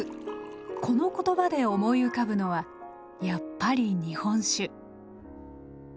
この言葉で思い浮かぶのはやっぱり「日本酒」。